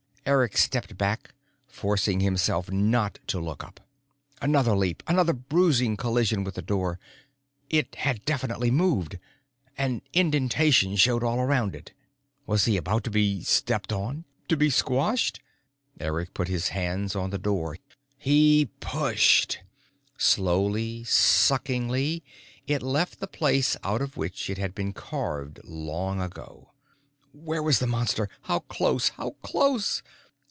Eric stepped back again, forcing himself not to look up. Another leap, another bruising collision with the door. It had definitely moved. An indentation showed all around it. Was he about to be stepped on to be squashed? Eric put his hands on the door. He pushed. Slowly, suckingly, it left the place out of which it had been carved long ago. _Where was the Monster? How close? How Close?